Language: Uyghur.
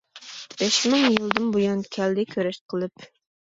بەش مىڭ يىلدىن بۇيان، كەلدى كۈرەش قىلىپ.